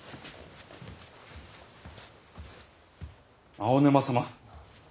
青沼様！